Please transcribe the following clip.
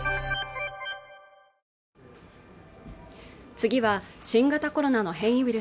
次は新型コロナの変異ウイル